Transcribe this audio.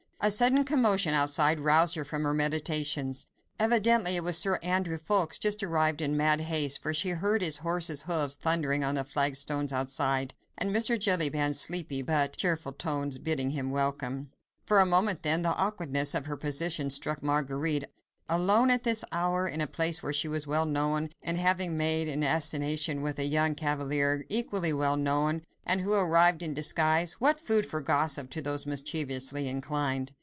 A sudden commotion outside roused her from her meditations. Evidently it was Sir Andrew Ffoulkes, just arrived in mad haste, for she heard his horse's hoofs thundering on the flag stones outside, then Mr. Jellyband's sleepy, yet cheerful tones bidding him welcome. For a moment, then, the awkwardness of her position struck Marguerite; alone at this hour, in a place where she was well known, and having made an assignation with a young cavalier equally well known, and who arrives in disguise! What food for gossip to those mischievously inclined.